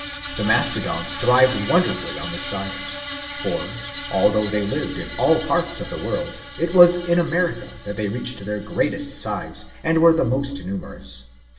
The Mastodons thrived wonderfully on this diet ; for, although they lived in all parts of the world, it was in America that they reached their greatest size and were the most numerous.